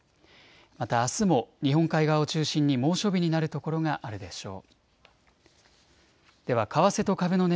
またあすも日本海側を中心に猛暑日になるところがあるでしょう。